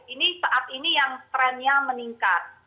ini saat ini yang trennya meningkat